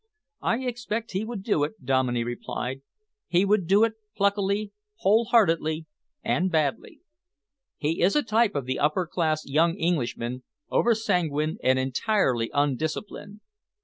"I expect he would do it," Dominey replied. "He would do it pluckily, whole heartedly and badly. He is a type of the upper class young Englishman, over sanguine and entirely undisciplined.